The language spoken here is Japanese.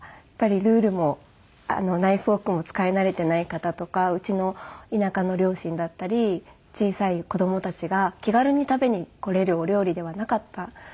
やっぱりルールもナイフフォークも使い慣れていない方とかうちの田舎の両親だったり小さい子供たちが気軽に食べに来れるお料理ではなかった。